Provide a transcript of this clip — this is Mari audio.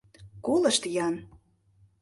Колышт-ян